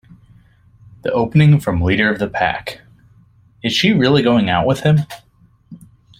The opening from "Leader of the Pack"-"Is she really going out with him?